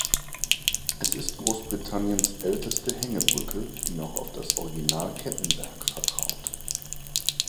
Es ist Großbritanniens älteste Hängebrücke, die noch auf das Original-Kettenwerk vertraut.